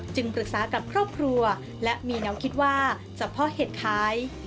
จึงปรึกษากับครอบครัวและมีเน้าคิดว่าจะพ่อเหตุคลาย